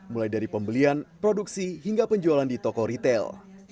mulai dari pembelian produksi hingga penjualan di toko retail